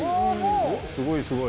すごいすごい。